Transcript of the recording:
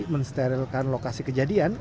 mensterilkan lokasi kejadian